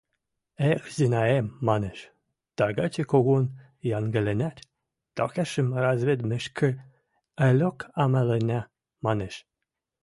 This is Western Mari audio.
– Эх, Зинаэм, – манеш, – тагачы когон янгыленӓт, такешӹм раведмешкӹ, ӓлок амаленӓ, – манеш.